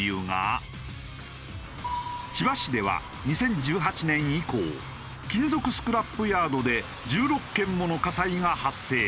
千葉市では２０１８年以降金属スクラップヤードで１６件もの火災が発生。